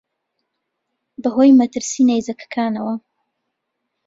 بە هۆی مەترسیی نەیزەکەکانەوە